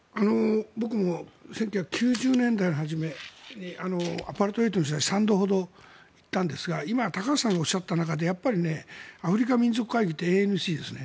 僕も１９９０年代の初めにアパルトヘイトの時代に３度ほど行ったんですが今、高橋さんがおっしゃった中でやっぱり、アフリカ民族会議ＡＮＣですね。